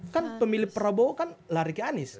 kan pemilih prabowo kan lari ke anies